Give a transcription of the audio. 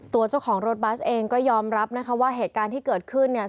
ตัวเจ้าของรถบัสเองก็ยอมรับนะคะว่าเหตุการณ์ที่เกิดขึ้นเนี่ย